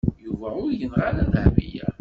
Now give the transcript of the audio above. Yuba ur yenɣi ara Dahbiya.